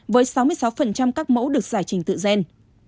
với sáu mươi sáu các mẫu được giải trình tự gen